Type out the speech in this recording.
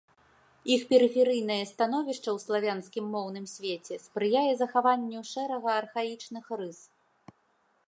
Іх перыферыйнае становішча ў славянскім моўным свеце спрыяе захаванню шэрага архаічных рыс.